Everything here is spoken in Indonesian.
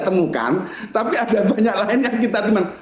ditemukan tapi ada banyak lain yang kita temukan